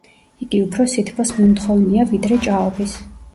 იგი უფრი სითბოს მომთხოვნია ვიდრე ჭაობის.